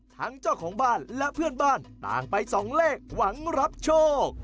เจ้าของบ้านและเพื่อนบ้านต่างไปสองเลขหวังรับโชค